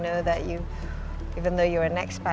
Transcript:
saya tahu bahwa anda